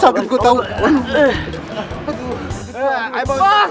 aduh aduh curd